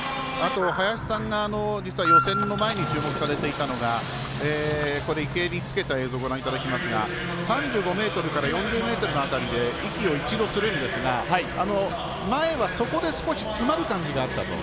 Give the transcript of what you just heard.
林さんが予選の前に注目されていたのがここで池江につけた映像をご覧いただきますが３５ｍから４０ｍの辺りで息を一度するんですが前は、そこで一度詰まる感じがあったと。